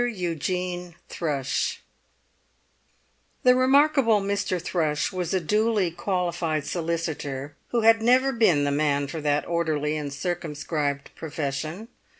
EUGENE THRUSH The remarkable Mr. Thrush was a duly qualified solicitor, who had never been the man for that orderly and circumscribed profession.